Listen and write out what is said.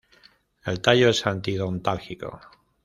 El tallo es anti-dontalgico.